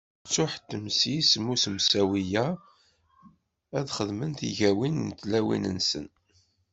Ttuḥettmen s yisem n usemsawi-a ad xedmen tigawin n tlawin-nsen.